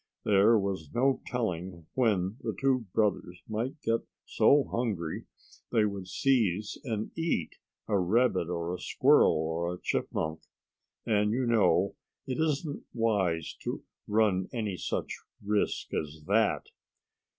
There was no telling when the two brothers might get so hungry they would seize and eat a rabbit or a squirrel or a chipmunk. And you know it isn't wise to run any such risk as that.